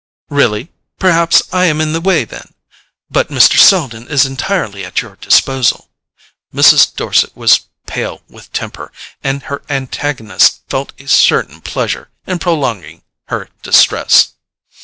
"Really? Perhaps I am in the way, then? But Mr. Selden is entirely at your disposal." Mrs. Dorset was pale with temper, and her antagonist felt a certain pleasure in prolonging her distress.